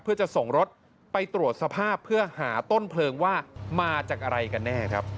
เพื่อจะส่งรถไปตรวจสภาพเพื่อหาต้นเพลิงว่ามาจากอะไรกันแน่ครับ